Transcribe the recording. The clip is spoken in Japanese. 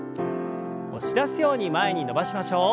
押し出すように前に伸ばしましょう。